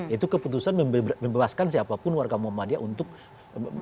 itu keputusan membebaskan siapapun warga muhammadiyah untuk memilih baik partai